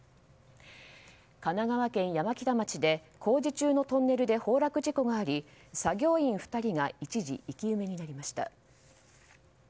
神奈川県山北町で工事中のトンネルで崩落事故があり、作業員２人が一時、生き埋めになりました。